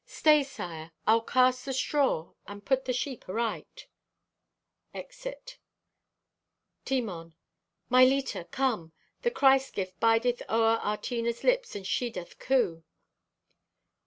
Stay, sire! I'll cast the straw and put the sheep aright!" (Exit.) (Timon) "My Leta, come! Thy Christ gift bideth o'er our Tina's lips and she doth coo!"